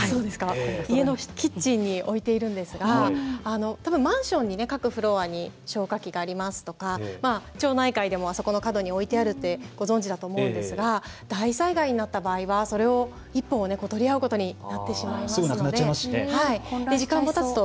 家のキッチンに置いているんですがマンションに各フロアに消火器がありますとか町内会でもあそこの角に置いてあるってご存じだと思うんですが大災害になった場合はそれを１本を取り合うことになってしまいますので時間もたつと